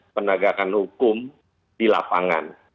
penegakan hukum di lapangan